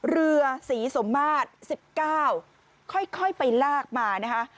เรือสีสมมาตรสิบเก้าค่อยค่อยไปลากมานะคะ